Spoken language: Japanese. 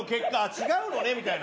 覯違うのねみたいな。